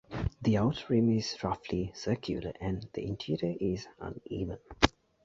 The outer rim is roughly circular, and the interior is uneven.